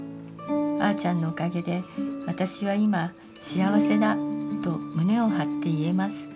あーちゃんのおかげで私は今幸せだと胸を張って言えます。